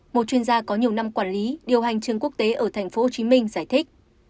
một chuyên gia có nhiều năm quản lý điều hành trường quốc tế ở tp hcm giải thích